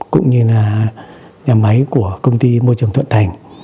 cũng như là nhà máy của công ty môi trường thuận thành